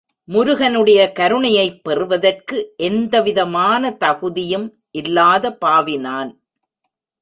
முருகனுடைய கருணையைப் பெறுவதற்கு எந்த விதமான தகுதியும் இல்லாத பாவி நான்.